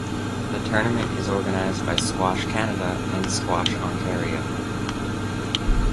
The tournament is organized by Squash Canada and Squash Ontario.